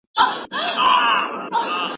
دا موضوع زما لپاره ډېره په زړه پوري وه.